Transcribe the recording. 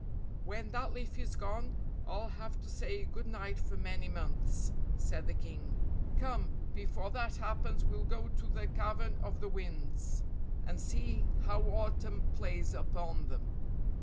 "When that leaf is gone, I'll have to say good night for many months," said the King. "Come, before that happens we'll go to the Cavern of the winds and see how Autumn plays upon them."